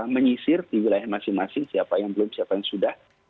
menyisir di wilayah masing masing siapa yang belum siapa yang sudah